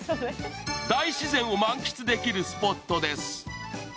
大自然を満喫できるスポットです。